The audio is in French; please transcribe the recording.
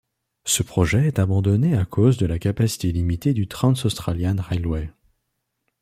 Ce projet est abandonné à cause de la capacité limitée du Trans-Australian Railway.